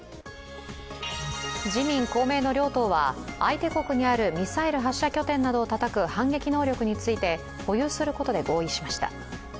自民・公明の両党は相手国にあるミサイル発射拠点などをたたく反撃能力について保有することで合意しました。